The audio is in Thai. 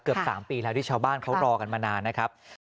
เกือบ๓ปีแล้วที่ชาวบ้านเขารอกันมานานนะครับ